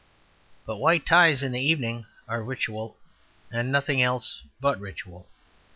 But white ties in the evening are ritual, and nothing else but ritual.